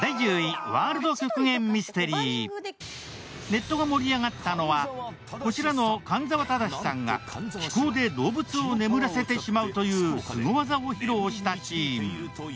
ネットが盛り上がったのは、こちらの神沢瑞至さんが気功で動物を眠らせてしまうというスゴ技を披露したシーン。